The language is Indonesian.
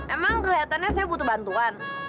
emang kelihatannya saya butuh bantuan